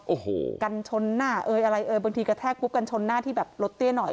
โอ้โหกันชนหน้าเอ่ยอะไรเอ่ยบางทีกระแทกปุ๊บกันชนหน้าที่แบบรถเตี้ยหน่อย